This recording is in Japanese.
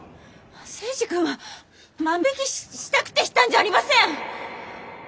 征二君は万引きしたくてしたんじゃありません！